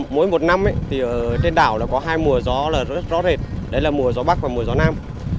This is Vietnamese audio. mỗi một năm trên đảo có hai mùa gió rất rõ rệt đó là mùa gió bắc và mùa gió nam